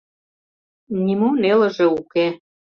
— Нимо нелыже уке...